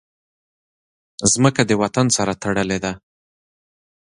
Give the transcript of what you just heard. مځکه د وطن سره تړلې ده.